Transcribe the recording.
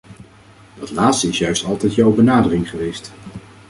Dat laatste is juist altijd jouw benadering geweest.